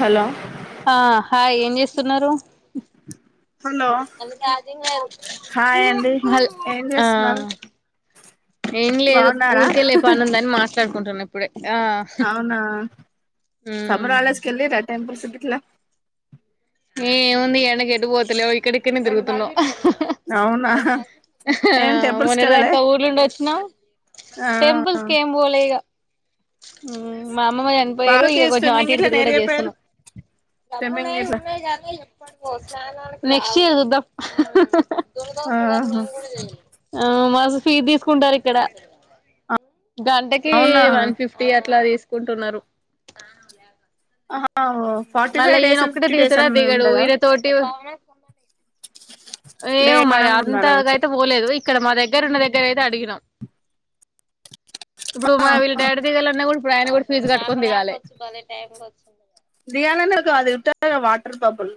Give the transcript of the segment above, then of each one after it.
Hello ఆ hi ఏం చేస్తున్నారు హలో హాయ్ అండి ఏం హల్ఆ చేస్తున్నారు ఏం లేదు బాగున్నారా ఊరికే లే పని ఉందని మాట్లాడుకుంటున్నా ఇప్పుడే ఆ అవునా సమ్మర్ మ్మ్ వహల్డ్స్ కెళ్ళిర్రా టెంపుల్స్ గిట్లా ఏముంది ఈ ఎండకు ఎట్టు పోతలేము ఇక్కడ ఇక్కన్నే తిరుగుతున్నం అవునా ఏం ఆ టెంపుల్స్ కి వెళ్ళలే మొన్నటిదానుకా ఊర్లుండి వచ్చినం ఆ టెంపుల్స్ కేం బోలే ఇగ మ్ మా అమ్మమ్మ చనిపోయారు బాబుకి ఇగ కొంచెం ఆటు స్విమ్మింగ్ ఇటు ఇట్లా తిరుగుడే నేర్పియపోయారు చేస్తున్నాం స్విమ్మింగ్ తమ్ముళ్ళయి ఇట్లా గానీ ఎప్పుడివో స్నానాలక్ నెక్స్ట్ ఇయర్ చూద్దాం ఆహా ఆ మ ఫీస్ తీసుకుంటారు ఇక్కడ గంటకి అవునా వన్ ఫిఫ్టీ టీ అట్లా తీసుకుంటున్నారు ఆహా ఫార్టీ మళ్ళా ఫైవ్ డేస్ ఈయనొక్కడే ఫిఫ్టీ డేస్ దిగుతడా అని దిగడు ఉండదా ఈయన తోటి లే ఏమొ మరి మనం కూడా ఉండాలా అంతగయితే పోలే లేదు ఇక్కడ మా దగ్గర ఉన్న దగ్గర అయితే అడిగినాం ఇప్పుడు మా వీళ్ళ డాడీ దగ్గర అన్నా కూడా ఇప్పుడు ఆయన కూడా ఫీజ్ కట్టుకోని ఇగాలే దిగాలన్న కాదు ఉత్తదే వాటర్ పంప్ల్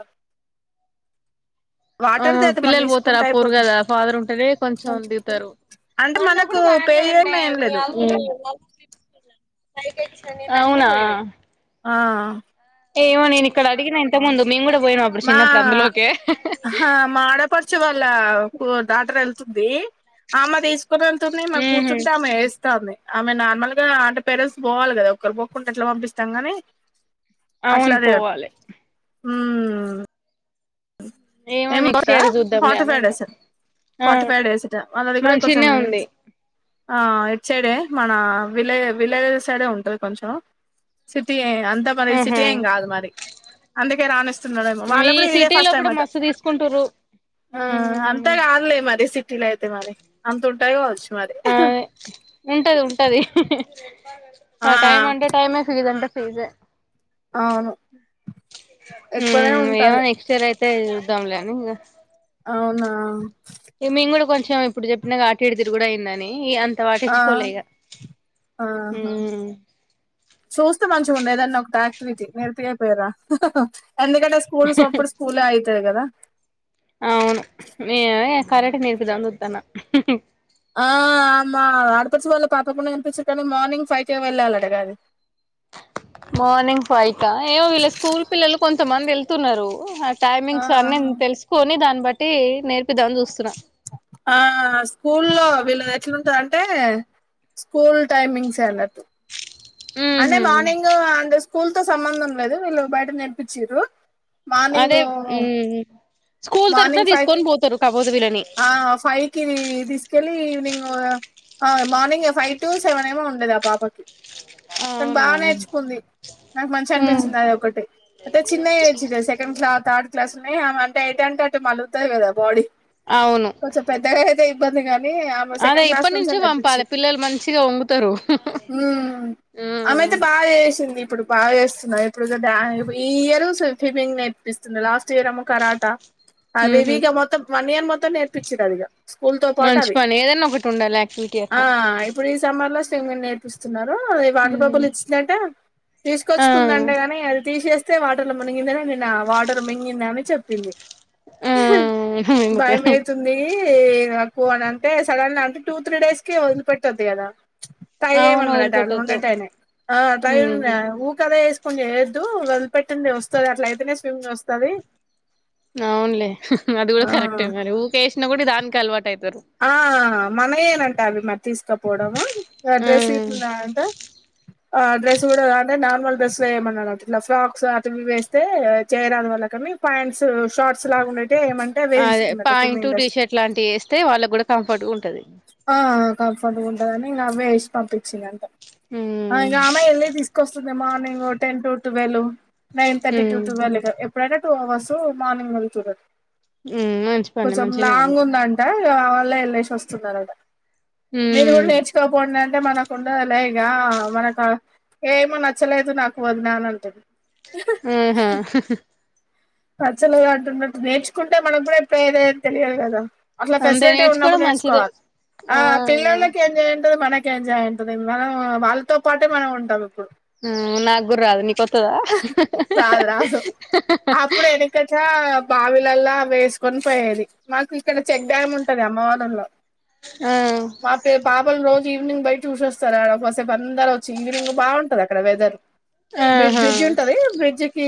ఆ మనం పిల్లలు పోతార తీసుకుంటే ఆ పోరు అయిపోతది కదా ఫాదర్ ఉంటేనే కొంచెం దిగుతారు అంటే మొన్న మనకు కుడా మరి పే బాగానే ఉండే చేయన్నా ఏం మీ లేదు అన్నక్ అవునా ఆ ఏమో నేను ఇక్కడ అడిగిన ఇంత ముందు మేము కూడా పోయినాం అప్పుడు మా చిన్నప్పుడు అందులోకే హా మ ఆడ పడుచు వాళ్ ళ్ళ ప్ డాక్టర్ వెళ్తుంది ఆమే తీస్ క్కతే వెళ్తుంది మా కూర్చుంటే ఆమె వేస్తాంది ఆమె నార్మల్ గా అంటే పేరెంట్స్ పోవాలి కదా ఒక్కరు పోకుంటే ఎట్లా పంపిస్తాం కాని అవును పోవాలే హ్మ్ ఏమో నెక్స్ట్ ఇయర్ [unintelligible] చూద్దాంలే అని ఉన్నాం ఫార్టీ ఆ ఫైవ్ డేస్ ట వాళ్ళది కూడా కొంచెం మంచినే ఉంది [unintelligible] ఆ ఇట్ సైడే మన విలే విలే సైడే ఉంటది కొంచెం సిటీ ఏ అంతా మరి సిటీ ఆహా ఏం కాదు మరి అందుకే రాణిస్తున్నాడేమో వాళ్ళ ఈ కూడా ఇదే సిటీలో ఫస్ట్ కూడా స్ట్మట మస్తు తీసుకుంటురు ఆ ఆ అంతే ఉమ్ గాదులే మరి సిటీలో అయితే మరి అంత ఉన్ టాయి కావచ్చు మరి అదే ఉంటది ఉంటది ఆ టైం అంటే టైమే ఫీస్ అంటే ఫీ ఫీసే ఆ అవును ఎక్కువనే మ్మ్ ఉంటది ఏమన్న నెక్స్ట్ ఇయర్ అయి తే చూద్దాం లే అని ఇంగ అవునా ఇగ మేము కూడా కొంచెం ఇప్పుడు చెప్పిన కాబట్టి ఇటూ తిరుగుడు అయిందని ఈ అన్ ట ఆ పట్టిచ్చుకోలే ఇగ ఆహా మ్మ్ చూస్తే మంచిగా ఉండే ఏదన్న ఒక యాక్ట్ క్టివిటీ నేర్పియ్యక పొయ్యిర్ర ఎందుకంటే స్కూల్ సొపుడు స్కూలే అయితది కదా అవును మీ ఏ కరాటి నేర్పుదాం అని చూత్తన్న ఆ మా ఆడపడుచు వాళ్ళ పాప కి నేర్పిస్తది కానీ మార్నింగ్ ఫైవ్ కే వెళ్ళాలటగా అది మార్నింగ్ ఫైవ్ క ఏమో వీళ్ళ స్కూల్ పిల్లలు కొంతమంది వెళ్తున్నారు హా టైమింగ్స్ అన్ని ఆహా తెలుసుకొని దాన్ని బట్టి నేర్ ఆ స్కూల్లో వీళ్ళది ఎట్లా ఉంటది అన్ టే స్కూల్ టైమింగ్సే అన్నట్టు అంటే ఉహు మార్నింగ్ అంటే స్కూల్ తో సంబంధం లేదు వీళ్ళు బయట నేర్పిచ్చిరు మార్నింగ్ అదే ఉమ్ స్కూల్ తరపున మార్నింగ్ ఫైవ్ తీసుకొని పోతారు కాపోతే వీళ్ళని ఆ ఫైవ్ కి తీ తీస్ కెళ్ళి ఈవినింగ్ ఆ మార్నింగ్ ఫైవ్ టు సెవెన్ ఏమో ఉండేది ఆ పాపకి తను అవునా బాగా నేర్చుకుంది నాకు మంచి ఉమ్ అనిపిచ్చింది అది ఒకటి అయితే చిన్న age second class third class లోనే అంటే ఎయి అ కంటే మలుగుతది కదా బాడీ అవును కొంచం పెద్దగా అయితే ఇబ్బందిగా నీ ఆమె అదే సెకండ్ క్లాస్ ఇప్పటి నుంచి నుంచే పంపాలి నేర్పించింది పిల్లలు మంచిగా వంగుతారు మ్మ్ ఆమైతే ఉమ్ బా చేసింది ఇప్పుడు బాగా చేస్తున్నా ఇప్పుడు కదా ఇప్ ఈ ఇయర్ స్వి ఫిమ్మింగ్ నేర్పిస్తుంది లాస్ట్ ఇయర్ అమ్మో కరాట అవివి ఉహు ఇగ మొత్తం వన్ ఇయర్ మొత్తం నేర్పించింది అది ఇగ స్కూల్ తో పాటు మంచి అది పని ఏదైనా ఒకటి ఉండాలి యాక్టివిటీ ఆ అట్లా ఇప్పుడు ఈ సమ్మర్ లో స్విమ్మింగ్ నేర్పిస్తున్నారు అది వాటర్ ఉమ్ బబుల్ ఇచ్చిందంట ఆ తీసుకొచ్చుకుందంటేగాని అది తీసేస్ తే వాటర్ లో మునిగిందనే నిన్న వాటర్ మింగిదని చెప్పింది హ్మ్ హు ఇంత నీ నాకు అ అంటే సడన్ గా అంటే టూ త్రీ డేస్ కి వదిలిపెట్టద్ది కదా తైే అవును మన్నడాట వదిలిపెట్టొద్దు మన్నట అనే ఆ తై ఉ ఉమ్ ఊ కద కొని చెయ్యద్దు వదిలిపెట్టండి వస్తది అట్ల అయితేనే స్విమ్మింగ్ వస్తది అవున్లే అది కూడా ఆ కరెక్టే మరి ఊకేసిన కూడా దానికే అలవాటు అయితారు ఆ మనయేనంటే అవి మరి తీసుకపోవడము డ్రెస్ ఉమ్ ఇట్ల ఉన్నాయంట ఆ డ్రెస్ కూడా అంటే నార్మల్ డ్రెస్ వెయ్యమన్నాడంట ఇట్లా ఫ్రాక్స్ అటవీ వి ఏస్తే చేయరాని వల్లకు నీ పాయింట్స్ షార్ట్స్ లాగా ఉండే అదే ప్యాంటు టీషర్ట్ లాంటివి వేస్తే వాళ్ళకి కూడా కంఫర్ట్ గ ఉన్ ఆ కంఫర్ట్గా ఉంటదని ఇంగ అవ్వే ఏసి పంపించింది అంతె ఆ ఉమ్ ఇంగ ఆమె ఎళ్లి తీసుకొస్తుంది morning ten to twelve nine thirty to um twelve ఇక ఎప్పుడైనా టూ అవర్స్ మార్నింగ్ వెల్తురు ఉమ్ మంచి పని కొంచెం మంచినే లాంగ్ ఉంది ఉందంట ఆ వాళ్ళే వెళ్ళేసి వస్తున్నారట మీరు కూడా ఉమ్ నేర్చుకోపొండి అన్ అంటే మనకు ఉండదు లే ఇగ మనకు ఏమో నచ్చలేదు నాకు వదిన అనంటది ఆహా పచ్చలుగా అంటున్నట్టు నేర్చుకుంటే మనకు కూడా ఎప్పుడు ఏద ఏం తెలియదు కదా అట్లా అంతే ఫెసిలిటీ ఉన్నప్పుడు నేర్చుకోవడం మంచిదే నేర్చుకోవాలి ఆ పిల్లలకి ఎంజాయ్మెంట్ ఏ మనకి ఎంజాయ్ ఉంటుది మనం వాళ్ళతో పాటే మనం ఉంటరు మ్ నాకూర రాదు నీకొత్తదా రాదు రాదు అప్పుడు వెనకట బావిలల్ల వేసుకొని పోయేది మాకు ఇక్కడ చెక్ డ్యామ్ ఉంటది అమ్మవాల్ లో ఆ మా పే పాపలు రోజు ఈవినింగ్ బయట చూసోస్తారు ఆడ కొసేపు అందరూ వచ్చి ఈవినింగ్ బావుంటది అక్కడ వెదర్ బ్రిజ ఆహా బ్రిడ్జ్ ఉంటది బ్రిడ్జ్కి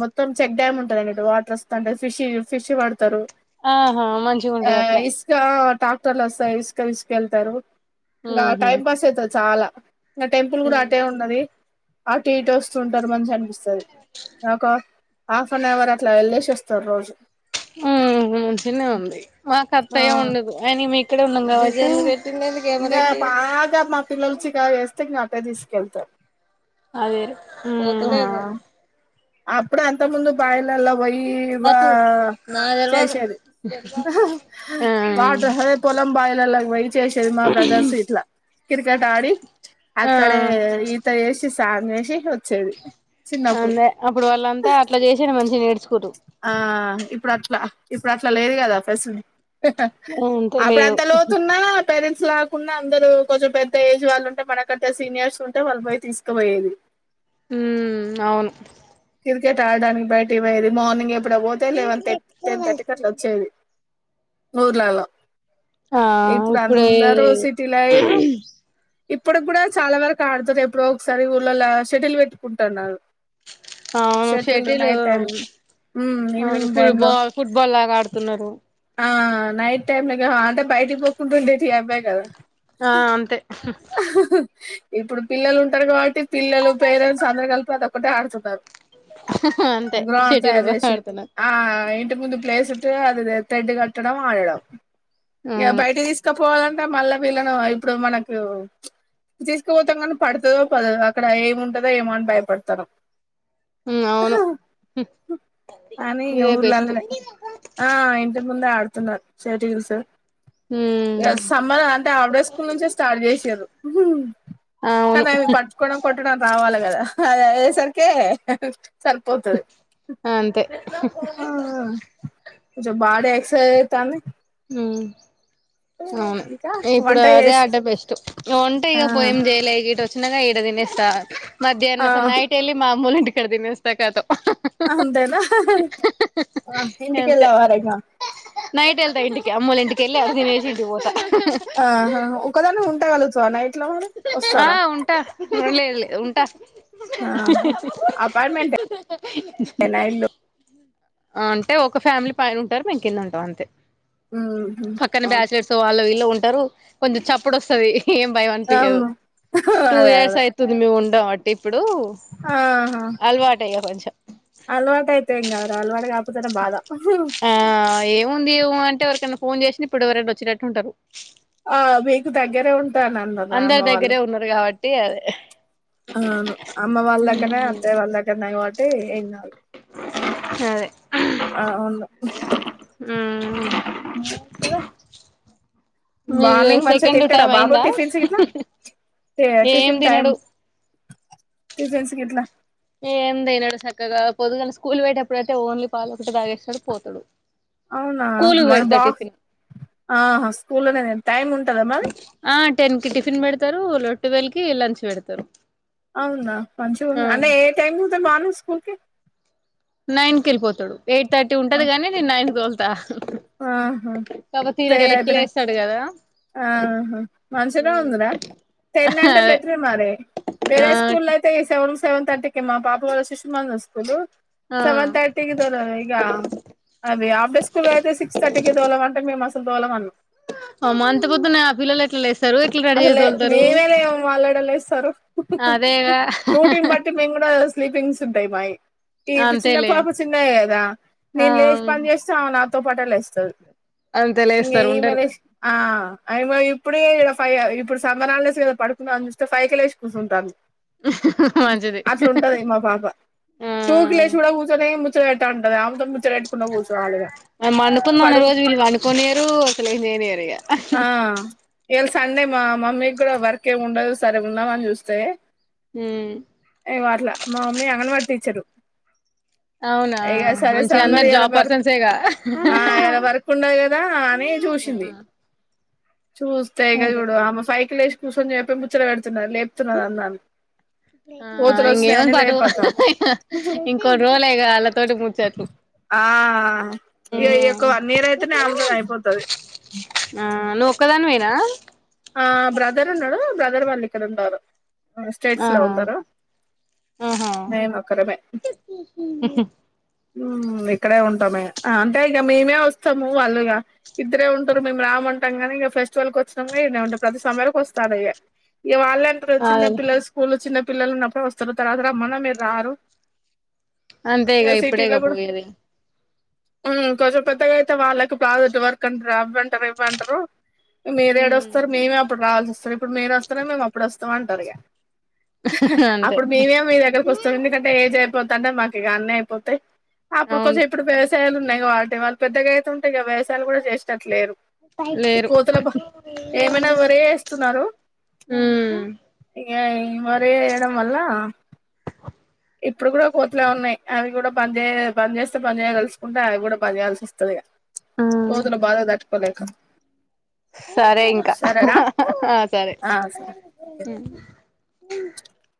మోత్ మొత్తం చెక్ డామ్ ఉంటది కదా వాటర్ వస్తంటది ఫిష్ ఫిష్ పడతారు ఆహా మంచిగా ఆ ఉంటది అట్లా ఇసుక టాక్టర్లు వస్తాయి ఇసుక తీసుకెళ్తారు. ఇంకా టైం ఉహు పాస్ అయితది చాలా ఇంకా టెంపుల్ కూడా అటే ఉన్నది. అటు ఇటు వస్తుంటారు మంచిగ అనిపిస్తది అక హాఫ్ అన్ అవర్ అట్లా వెళ్లేేసోస్తారు రోజు మ్ మంచినే ఉంది మాకు ఆ అత్తయ ఉండదు అయన మే ఇక్కడే ఉన్నాం కాబట్టి ఇంకా బాగా మా పిల్లలొచ్చి కాల్ వేస్తే ఇంకా అటె తీసుకెళ్తా అదేలె మ్ అప్పుడే అంత ముందు బాయిలల పోయి బ చేసేది ఆ వాట్ అదే పొలం బాయిలల్లెకి పోయి చేసేది మా బ్రదర్స్ ఇట్ల కిర్కెట్ ఆడి ఆ అక్కడే ఈత వేసి సాంగ్ వేసి వచ్చేది చిన్నప్పుడు అదే అప్పుడు వాళ్ళంతా అట్ల చేసినే మంచిగ నేర్చుకురు ఆ ఇప్పుడు అట్లా ఇప్పుడు అట్లా లేదు కదా ఫెసిలి అంతే అప్పుడ్ లేవు ఎంత లోతున్నా పేరె లేకున్న అందరు కొంచెం పెద్ద ఏజ్ వాళ్ళు ఉంటే మనకంటే సీనియర్స్ ఉంటే వాళ్ళు పోయి తీసుకపోయేది. మ్ అవును క్రికెట్ ఆడడానికి బయటకి పోయేది మార్నింగ్ ఎప్పుడో పోతే లెవెన్ థర్ టెన్ థర్టీకి అట్లా వచ్చేది. ఊర్లల్ల ఆ ఇప్పుడు ఇప్పుడే అందరూ సిటీలయిర్రు ఇప్పుడుకి కూడా చాలా వరకు ఆడుతరు ఎప్పుడో ఒకసారి ఊళ్ళలో షెటిల్ పెట్టుకుంటన్నారు. అవును షెటిలు ఉమ్ అవును ఈవినింగ్ టైమ్ లో ఫుబాల్ ఫుట్బాల్ లాగా ఆడుతున్నారు. ఆ నైట్ టైమ్ ఇగ అంటే బయటికి పోకుండ ఉండేటివి అవే కదా ఆ అంతే. ఇప్పుడు పిల్లలు ఉంటారు కాబట్టి పిల్లలు పేరెంట్స్ అందరు కలిపి అదొక్కటే ఆడుతున్నారు అంతే గ్రౌండ్ షటిల్ తయారు చేసిర్రు ఆడుతున్నారు ఆ ఇంటి ముందు ప్లేసుట్టే అది థ్రెడ్ కట్టడం ఆడడం ఇగ బయటకి అవును తీసుకపోవాల అంటే మల్ల వీళ్లను ఇప్పుడు మనకు తీసకపోతాం కానీ పడుతదో పడదొ అక్కడ ఏముంటదో ఏమో అని భయపడతారు హ అవును అని ఇదే ఎవరు బెస్ట్ అనల ఆ ఇంటి ముందే ఆడుతున్నారు సరే సార్ ఇ ఉమ్ సమ్మరా అంటే ఆవిడే స్కూల్ నుంచి [unintelligible] ఎసిర్రు అవును కానీ అయనకు పట్టుకోవడం కొట్టడం రావట్ల రావాలగదా అది అయ్యే సరికే సరిపోతది అంతే కొంచెం బాడీ పెరగతాంది హ్ అవును ఇంకా ఇప్పుడు వంట అదే చేసి అడ్డబెస్ట్ ఒంటే ఆ ఇక పోయిందె ఇక గిట్ వచ్చినాక ఈడ తినేస్తా ఆ మధ్యాహ్న అసల్ నైట్ళ్ ఎల్లి మా అమ్మాలింటి కాడ తినొస్తా ఖతం అంతేనా హ హ అ అంతే ఇంటికెళ్లే వాల్లంగా నైట్ వెళ్తా ఇంటికి అమ్మోలింటికి ఎల్లి అటు తినేసి ఇటు పోత ఆహా ఒకదానీవే ఉంట కలుగతవా నైటు ఆ ఉంటా వెళ్ళలేదు లే ఉంట ఆహా అపార్ట్మెంటేనా ఇల్లు అంటే ఒక ఫ్యామిలీ పైన ఉంటారు మేం కింద ఉంటాం అంతే ఊహూ పక్కన ఓ బ్యాచ్లర్స్ వాళ్ళు వీళ్లు ఉంటారు కొంచెం చప్పుడు వస్తది ఏం భయం లేదు అవును టూ అదే ఇయర్స్ అదే అయితుంది ఉండబట్టి ఇప్పుడు ఆహా అలవాటు అయ్యా కొంచెం అలవాటు అయితే ఏం కాదురా అలవాటు కాకపోతేనే బాధ ఆ ఏముంది ఊ అంటే ఎవరికన్నా ఫోన్ చేసిన ఇప్పుడు ఎవరైనా వచ్చేటట్టు ఉంటారు ఆ మీకు దగ్గరే ఉంట అందరు దగ్గరే ఉన్నారు కాబట్టి అదే అవును అమ్మ వాళ్ళ దగ్గరనే అత్తయ్య వాళ్ళ దగ్గరనే కాబట్టి ఏం కాాదు సరే ఆ అవును మ్మ్ మీది మార్నింగ్ మంచిగా సెకండ్ తింటాడా టైం బాబు అయిందా టిఫిన్స్ ఇట్ల ఏం టటిఫన్ టైమ్ తినడు టిఫిన్స్ గిట్లా ఏమితిననడు చక్కగా పొదుగాలనె స్కూల్ పోయటప్పుడైతే ఓన్లీ పాలు ఒకటి తాగేస్తాడు పోతడు అవునా స్కూల్కి మరి పెడతా బాక్స్ టిఫిన్ ఆహా స్కూల్లోనే టైమ్ ఉంటదా మరి ఆ టెన్ కి టిఫిన్ పెడతారు లో ట్వెల్ కి లంచ్ పెడతారు అవునా మంచిగా ఆ ఉంది అంటే ఏ టైం పోతరు మార్నింగ్ స్కూల్కి నైన్ కి వెళ్ళిపోతాడు ఎయిట్ థర్టీ ఉంటదిగాని నేను నైన్కి తోళ్తా ఆహా కాకపోతే తినడు ప్రేయర్ ఏయిట్కి అయిపోయినంక లేస్తాడు కదా ఆహా మంచిగనే ఉందిరా టెన్ అంటే అదే బెటరే మరి ఆ వేరే స్కూల్ల్లో అయితే సెవెన్ సెవెన్ థర్టీకి మా పాప వాళ శిశు మందిర్ స్కూలు ఆ సెవెన్ థర్టీ దర ఇక అది ఆఫ్డే స్కూల్ అయితే సిక్స్ థర్టీ కే తోలమంటే మేము అసలు తోలం అన్నమ్ అమ్మో అంత పొద్దున్నే ఆ పిల్లలు ఎట్లా లేస్తరు అసలు మేమే లేయం వాలేడలేస్తారు హ హ అదేగా డ్యూటీని బట్టి మేము కూడా స్లీపింగ్స్ ఉంటాయి మాయి ఇప్పుడు చిన్న అంతేలే పాప చిన్నది కదా ఆ నేను లేచి పని చేస్తే ఆమె నా నాతో పాటే లేస్తది అంతే ఇంక లేస్తారు ఈమె ఉండరు లెసి ఆ ఇప్పుడే పైగా ఇప్పుడు సమ్మర్ హాలిడేస్ కదా పడుకుందా అని చూస్తే ఫైవ్ కి లేసి కూర్చుంటాంది మంచిది అట్లా ఉంటది మా పాప ఆ టూ కి లేచి కూడా కూర్చొనే ముచ్చట పెడతా ఉంటది ఆమె తోటి ముచ్చట పెట్టుకుంట కూర్చోవాలి ఇగ నేను పండుకుందాం అనే పడుకో రోజు వీళ్ళు పండుకోనియ్యరు అసలు ఏం చేయనియరు ఇగ ఆ ఇయాల సండే మా మమ్మీకి కూడా వర్క్ ఏమి ఉండదు సరే ఉందామని చూస్తే ఇగో అట్లా మా మమ్మీ అంగనవాడి టీచరు అవునా ఇగ సరే మంచిగా సర్ మరి అందరు ఈయాల జాబ్ వర్క్ పర్సన్సేగా ఆ ఇయాల వర్క్ ఉండదు కదా అని చు వచ్చింది చూస్తే ఇగ అదే చూడు ఆమె ఫైవ్ కి లేచి కూర్చొని లేపి ముచ్చట పెడుతున్నారు లెప్తున్నారు నన్ను ఆ ఇంకేముంది పటు ఇంకోన్ని రోజులాగా ఆళ్ల తోటి ముచోట్లు ఆ ఇగ ఈ యొక్క వన్ ఇయర్ అయితేనే అమెతోని అయిపోతుది ఆ నువ్వు ఒక్కదానివే నా ఆ బ్రదర్ ఉన్నాడు బ్రదర్ వాళ్ళు ఇక్కడ ఉండరు స్టేట్స్ లో ఆహా ఉన్నారు ఆహా మేం ఒక్కరమే ఇక్కడే ఉంటామే అంటే ఇగ మేమే వస్తాము వాళ్ళుగా ఇద్దరే ఉంటారు మేము రాము అనుకుంటాం కానీ ఇక ఫెస్టివల్ కి వచ్చినం ఈనే ఉంటాం ప్రతి సమ్మర్ కి వస్తాడు ఇగ వాళ్లే అంటారు అదేలే చిన్నపిల్లల స్కూల్ చిన్నపిల్లల పిల్లలు ఉన్నప్పుడే వస్తున్నారు తర్వాత రమ్మన్నా మీరు రారు అంతేగా ఇప్పుడేగా పోయేది కొంచం పెద్దగా అయితే వాళ్ళకి ప్రాజెక్ట్ వర్క్ అంటారు అవ్వంటారు రేపు అంటారు మీరే ఏడుస్తారు మేమే అప్పుడు రావాల్సి సో ఇప్పుడు మీరు వస్తారు మేము అప్పుడు వస్తాము అంటారు ఇగ అంతే అప్పుడు మమే మీ దగ్గరకు వస్తాం ఎందుకంటే ఏజ్ అయిపోతు అంటే మాకు ఇక అన్న అయిపోతాయి అప్పుడు అవును కొంచం ఇప్పుడు వ్యవసయాలు ఉన్నాయి వాటి వాళ్ళు పెద్దగా అయితుంటే వ్యవసయాలు కూడా చేసేటట్టు లేదు ఈ లేరు కోతుల ఏమైనా వరే వేస్తున్నారు ఉమ్ ఇగ ఈ వరి వేయడం వల్ల ఇప్పుడు కూడా కోతులే ఉన్నాయి అవి కూడా బంద్ చే బంద్ చేస్తే బంద్ తలుచుకుంటే అవి కూడా బంద్ చేయాల్సి వస్తుంది ఇగ కోతుల బాధ తట్టుకోలేక సరే ఇంకా సరేరా ఆ సరే ఆ సరే ఓకే